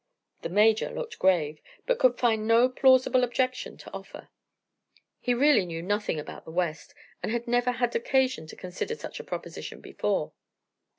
The Major looked grave, but could find no plausible objection to offer. He really knew nothing about the West and had never had occasion to consider such a proposition before.